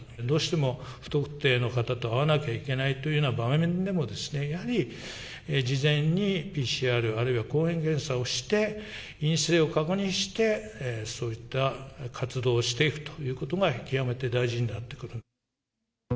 どうしても不特定の方と会わなきゃいけないというような場合でも、やはり事前にＰＣＲ、あるいは抗原検査をして、陰性を確認して、そういった活動をしていくということが極めて大事になってくる。